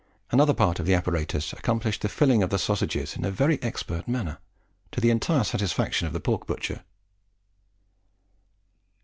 Another part of the apparatus accomplished the filling of the sausages in a very expert manner, to the entire satisfaction of the pork butcher.